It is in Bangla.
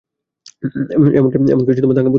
এমনকি দাঙ্গা পুলিশও।